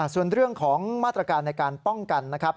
ส่วนเรื่องของมาตรการในการป้องกันนะครับ